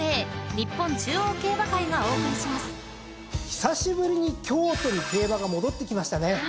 久しぶりに京都に競馬が戻ってきましたね。